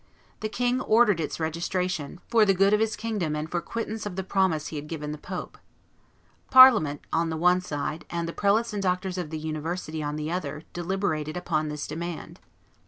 The king ordered its registration, "for the good of his kingdom and for quittance of the promise he had given the pope." Parliament on one side, and the prelates and doctors of the University on the other, deliberated upon this demand.